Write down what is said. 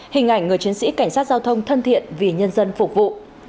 hình ảnh người chiến sĩ cảnh sát giao thông thân thiện vì nhân dân phục vụ